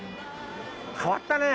変わったね。